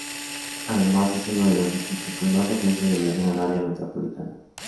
Además, es uno de los distritos con más afluencia del Gran Área Metropolitana.